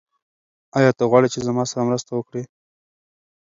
آیا ته غواړې چې زما سره مرسته وکړې؟